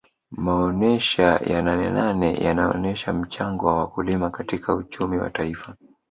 maonesha ya nanenane yanaonesha mchango wa wakulima katika uchumi wa taifa